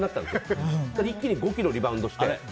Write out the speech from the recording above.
そしたら一気に５ｋｇリバウンドして。